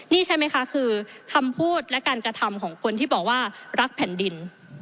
นี่ใช่ไหมคะคือคำพูดและการกระทำของคนที่บอกว่ารักแผ่นดิน